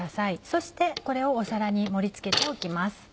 そしてこれを皿に盛り付けておきます。